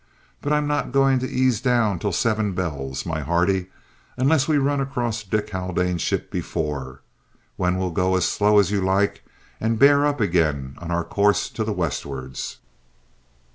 "But I'm not going to ease down till seven bells, my hearty, unless we run across Dick Haldane's ship before, when we'll go as slow as you like and bear up again on our course to the westwards."